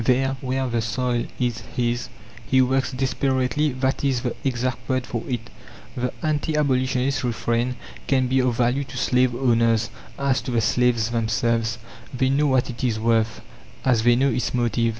There, where the soil is his, he works desperately; that is the exact word for it. The anti abolitionist refrain can be of value to slave owners; as to the slaves themselves, they know what it is worth, as they know its motive.